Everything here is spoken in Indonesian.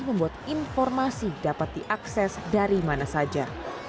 membuat informasi dapat diakses dari mana saja